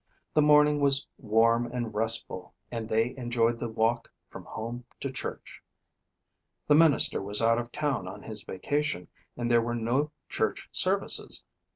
The morning was warm and restful and they enjoyed the walk from home to church. The minister was out of town on his vacation and there were no church services.